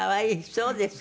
そうですか。